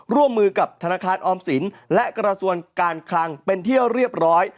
ร่วมมือกับธนาคารออมสินและกระทรวงการคลังเป็นที่เรียบร้อย